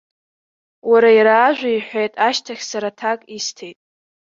Уа иара ажәа иҳәеит, ашьҭахь сара аҭак исҭеит.